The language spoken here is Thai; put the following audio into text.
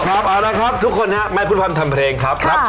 เอาแล้วครับเอาแล้วครับทุกคนนะแม่พุทธพรรมทำเพลงครับ